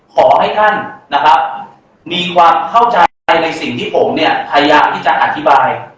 ขอให้ท่านมีความเข้าใจในสิ่งที่ผมทยายามที่จะอธิบาย